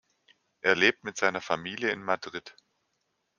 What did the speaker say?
Er lebt mit seiner Familie in Madrid.